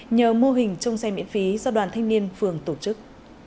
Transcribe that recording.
nhờ mô hình trong xe miễn phí do đoàn thanh niên phường tổ chức